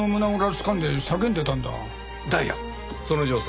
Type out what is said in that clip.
その女性